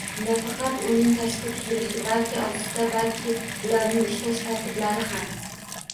Nafaqat uning tashqi tuzilishi, balki ostida balki ularning ishlash tartiblari ham.